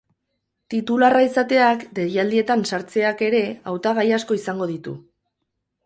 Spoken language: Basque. Titularra izateak, deialdietan sartzeak ere, hautagai asko izango ditu.